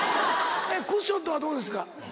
クッションとはどうですか？